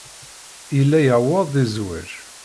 Yella yuweḍ-d i zzwaj.